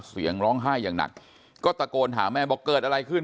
เสียงร้องไห้อย่างหนักก็ตะโกนหาแม่บอกเกิดอะไรขึ้น